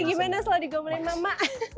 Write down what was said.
gimana selalu digombalin mama